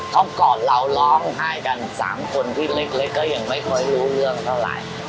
เพราะก่อนเราร้องไห้กัน๓คนที่เล็กก็ยังไม่ค่อยรู้เรื่องเท่าไหร่